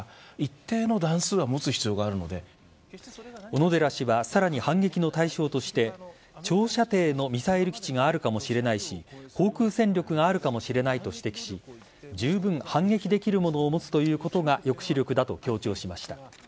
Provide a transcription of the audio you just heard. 小野寺氏はさらに反撃の対象として長射程のミサイル基地があるかもしれないし航空戦力があるかもしれないと指摘しじゅうぶん反撃できるものを持つということが抑止力だと強調しました。